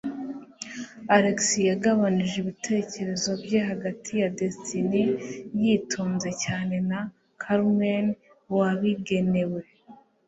Alex yagabanije ibitekerezo bye hagati ya Destiny yitonze cyane na Carmen wabigenewe.